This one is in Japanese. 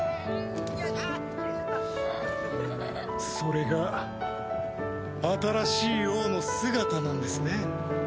それが新しい王の姿なんですね。